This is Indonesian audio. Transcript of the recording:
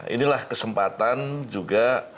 inilah kesempatan juga